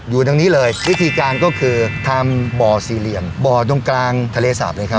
อยู่ตรงนี้เลยวิธีการก็คือทำบ่อสี่เหลี่ยมบ่อตรงกลางทะเลสาบเลยครับ